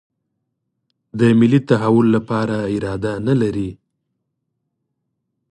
د ملي تحول لپاره اراده نه لري.